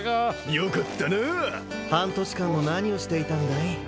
よかったな半年間も何をしていたんだい